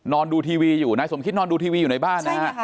ดูทีวีอยู่นายสมคิดนอนดูทีวีอยู่ในบ้านนะฮะ